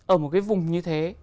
ở một cái vùng như thế